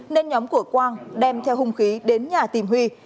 nên nhóm của quang đem theo hung khí đến nhà tìm huy